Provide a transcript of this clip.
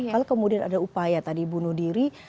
kalau kemudian ada upaya tadi bunuh diri